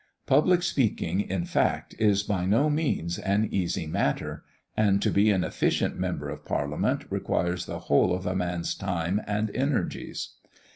Public speaking, in fact, is by no means an easy matter; and to be an efficient Member of Parliament requires the whole of a man's time and energies.